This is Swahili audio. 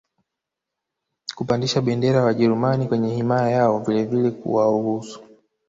kupandisha bendera ya wajerumani kwenye himaya yao vilevile kuwaruhusu